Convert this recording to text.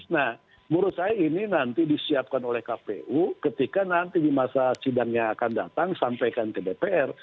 nah menurut saya ini nanti disiapkan oleh kpu ketika nanti di masa sidangnya akan datang sampaikan ke dpr